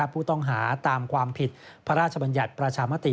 ผู้ต้องหาตามความผิดพระราชบัญญัติประชามติ